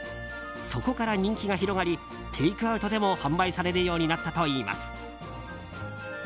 そこから人気が広がりテイクアウトでも販売されるようになったといいます。